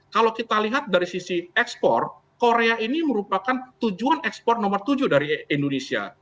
kalau kita lihat dari sisi ekspor korea ini merupakan tujuan ekspor nomor tujuh dari indonesia